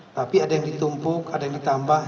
tapi ada yang ditumpuk ada yang ditambah